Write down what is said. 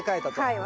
はい。